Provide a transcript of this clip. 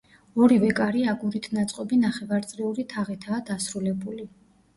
ორივე კარი აგურით ნაწყობი ნახევარწრიული თაღითაა დასრულებული.